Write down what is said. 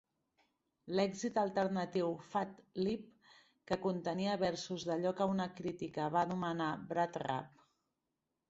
L"èxit alternatiu "Fat Lip", que contenia versos d"allò que un crítica va anomenar "brat rap".